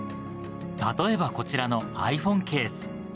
例えばこちらのｉＰｈｏｎｅＣａｓｅ。